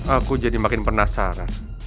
aku jadi makin penasaran